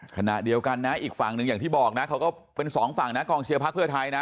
ขณะเดียวกันนะอีกฝั่งหนึ่งอย่างที่บอกนะเขาก็เป็นสองฝั่งนะกองเชียร์พักเพื่อไทยนะ